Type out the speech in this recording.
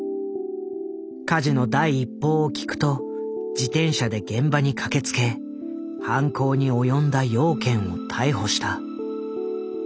火事の第一報を聞くと自転車で現場に駆けつけ犯行に及んだ養賢を逮捕した。